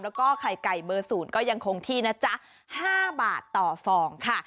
แล้วก็ไข่ไก่เบอร์๐ก็ยังคงที่นะจ๊ะ๕บาทต่อฟองค่ะ